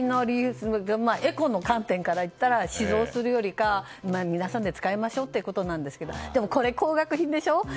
エコの観点からといったら皆さんで使いましょうということなんですがでも、高額品でしょ？